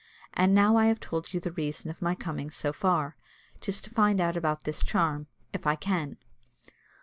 And now I have told you the reason of my coming so far: 'tis to find out about this charm, if I can."